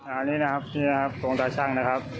อันนี้นะครับตรงตาชั่งนะครับ